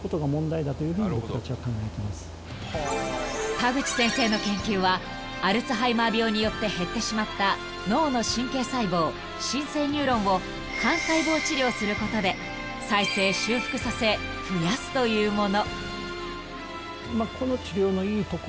［田口先生の研究はアルツハイマー病によって減ってしまった脳の神経細胞新生ニューロンを幹細胞治療することで再生修復させ増やすというもの］